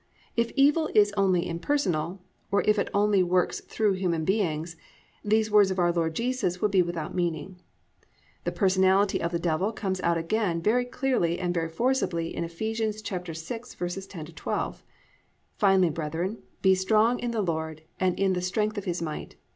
If evil is only impersonal, or if it only works through human beings, these words of our Lord Jesus would be without meaning. The personality of the Devil comes out again very clearly and very forcibly in Eph. 6:10 12: +"Finally, brethren, be strong in the Lord and the strength of his might.